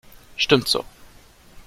Stimmt so.